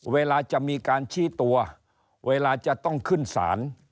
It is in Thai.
เวลาจะมีการชี้ตัวเวลาจะต้องขึ้นศาล